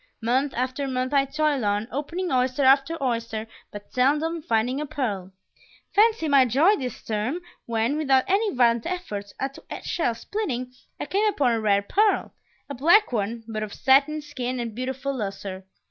Month after month I toil on, opening oyster after oyster, but seldom finding a pearl. Fancy my joy this term when, without any violent effort at shell splitting, I came upon a rare pearl; a black one, but of satin skin and beautiful lustre!